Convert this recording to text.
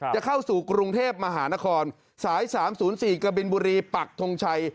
จะเข้าสู่กรุงเทพฯมหานครสายสามศูนย์สี่กะบินบุรีปักทงชัย